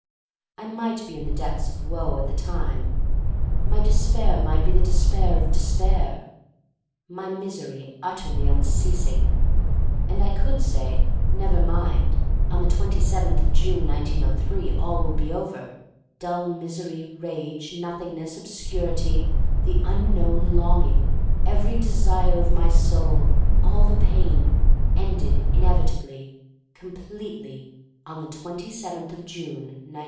I might be in the depths of woe at the I08 THE STORY OF MARY MAC LANE time; my despair might be the despair of despair; my misery utterly unceas ing, — and I could say, Never mind, on the twenty seventh of June, 1903, all will be over — dull misery, rage, Noth ingness, obscurity, the unknown long ing, every desire of my soul, all the pain — ended inevitably, completely on the twenty seventh of June, 1903.